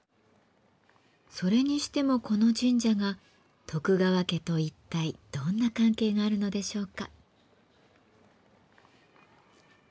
それにしてもこの神社が徳川家と一体どんな関係があるのでしょうか？